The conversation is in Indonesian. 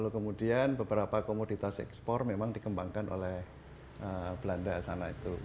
kemudian beberapa komoditas ekspor dikembangkan oleh belanda